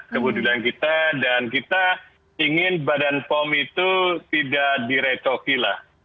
kemudian kita dan kita ingin badan pom itu tidak direcoki lah